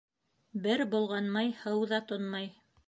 Бер болғанмай, һыу ҙа тонмай.